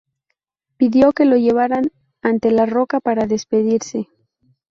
Pidió que lo llevaran ante la roca para despedirse.